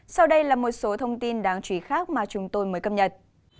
sau đây là một số thông tin đáng chú ý khác mà chúng tôi mới cập nhật